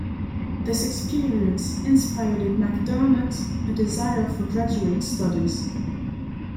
This experience inspired in McDermott a desire for graduate studies.